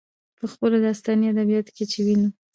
په خپلو داستاني ادبياتو کې چې وينو،